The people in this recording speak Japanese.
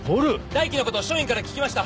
大樹のこと署員から聞きました。